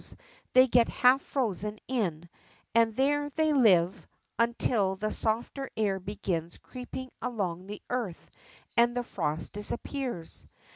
ROOM'S RIDE 23 they get half frozen in, and there they live until the softer air begins creeping along the earth and the frost disappears.